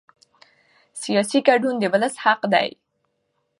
سیاسي ګډون د ولس حق دی